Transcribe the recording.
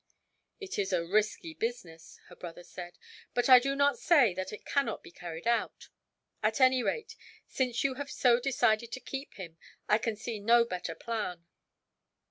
"It is a risky business," her brother said, "but I do not say that it cannot be carried out; at any rate, since you have so decided to keep him, I can see no better plan."